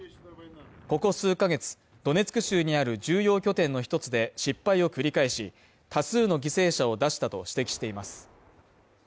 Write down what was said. ここ数か月、ドネツク州にある重要拠点の一つで、失敗を繰り返し多数の犠牲者を出したと指摘しています。